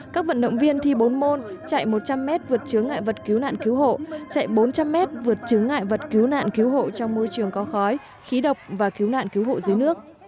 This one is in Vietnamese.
các vận động viên thi bốn môn chạy một trăm linh m vượt chứa ngại vật cứu nạn cứu hộ chạy bốn trăm linh m vượt chứng ngại vật cứu nạn cứu hộ trong môi trường có khói khí độc và cứu nạn cứu hộ dưới nước